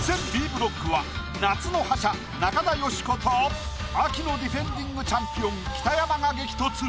Ｂブロックは夏の覇者中田喜子と秋のディフェンディングチャンピオン北山が激突。